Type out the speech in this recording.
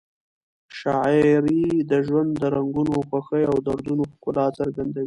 شاعري د ژوند د رنګونو، خوښیو او دردونو ښکلا څرګندوي.